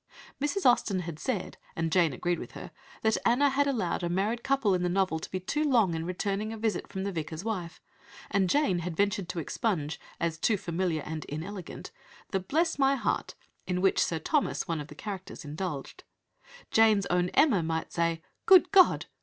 Mrs. Austen had said, and Jane agreed with her, that Anna had allowed a married couple in the novel to be too long in returning a visit from the Vicar's wife, and Jane had ventured to expunge, as "too familiar and inelegant," the "Bless my heart" in which Sir Thomas, one of the characters, indulged. Jane's own Emma might say "Good God!"